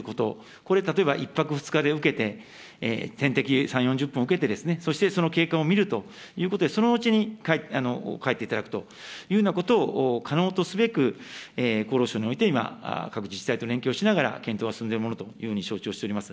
これ、例えば１泊２日で受けて、点滴、３、４０分受けて、そしてその経過を見るということで、その後に帰っていただくというようなことを可能とすべく、厚労省において、今、各自治体と連携をしながら検討が進んでいるものと承知をしております。